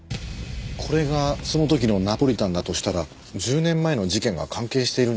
これがその時のナポリタンだとしたら１０年前の事件が関係しているんでしょうか？